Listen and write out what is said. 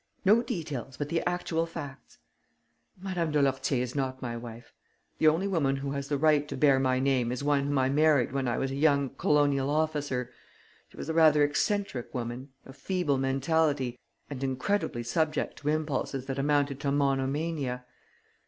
No details, but the actual facts." "Madame de Lourtier is not my wife. The only woman who has the right to bear my name is one whom I married when I was a young colonial official. She was a rather eccentric woman, of feeble mentality and incredibly subject to impulses that amounted to monomania.